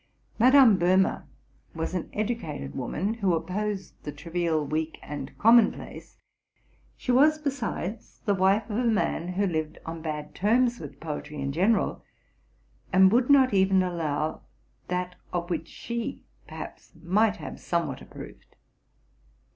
Madame Bohme was an educated woman, who opposed the pen weak, and commonplace: she was, besides, the wife of man who lived on bad terms with poetry in general, i would not even allow that of which she perhaps might have somewhat approved.